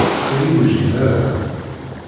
Ur yewjid ara.